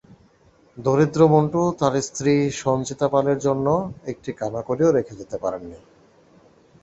দরিদ্র মন্টু তাঁর স্ত্রী সঞ্চিতা পালের জন্য একটা কানাকড়িও রেখে যেতে পারেননি।